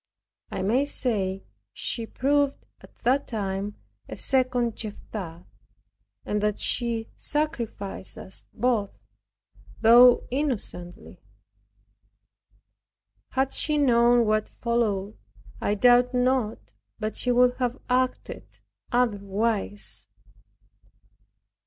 I may say, she proved at that time a second Jephtha, and that she sacrificed us both, though innocently. Had she known what followed, I doubt not but she would have acted otherwise.